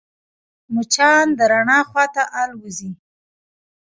مچان د رڼا خواته الوزي